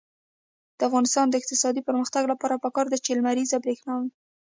د افغانستان د اقتصادي پرمختګ لپاره پکار ده چې لمریزه برښنا وي.